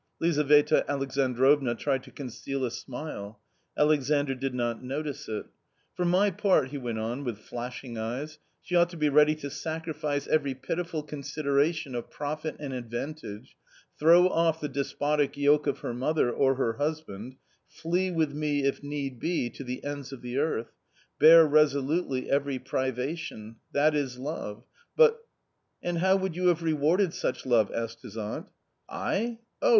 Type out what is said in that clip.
Lizaveta Alexandrovna tried to conceal a smile. Alexandr did not notice it. " For my sake," he went on, with flashing eyes, " she ought to be ready to sacrifice every pitiful consideration of profit and advantage, throw off the despotic yoke of her mother, or her husband; flee with me, if need be, to the ends of the earth ; bear resolutely every privation — that is love ! but "" And how would you have rewarded such love !" asked his aunt. "I? Oh